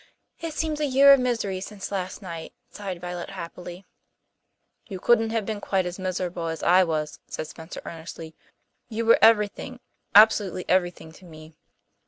"It seems a year of misery since last night," sighed Violet happily. "You couldn't have been quite as miserable as I was," said Spencer earnestly. "You were everything absolutely everything to me.